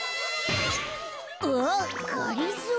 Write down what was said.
うわっがりぞー。